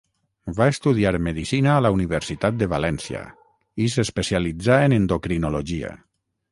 Va estudiar medicina a la Universitat de València, i s'especialitzà en endocrinologia.